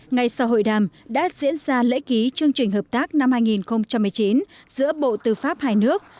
ngay sau hội đàm đã diễn ra lễ ký chương trình hợp tác năm hai nghìn một mươi chín giữa bộ tư pháp hai nước